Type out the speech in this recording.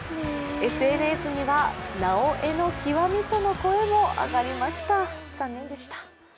ＳＮＳには、「なおエ」の極みとの声も上がりました、残念でした。